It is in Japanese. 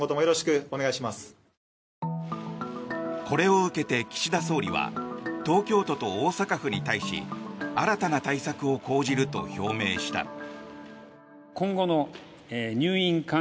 これを受けて岸田総理は東京都と大阪府に対し新たな対策を講じると表明した。